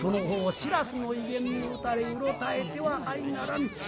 白州の威厳に打たれうろたえてはあいならぬ。